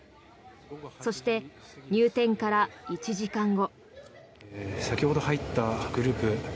そして入店から１時間後。